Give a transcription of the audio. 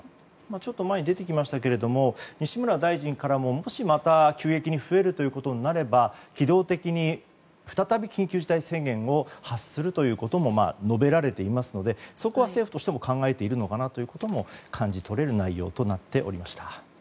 ちょっと前に出てきましたが西村大臣からも、もしまた急激に増えるということになれば機動的に再び緊急事態宣言を発するということも述べられていますのでそこは政府としても考えているのかなということも感じ取れる内容となっておりました。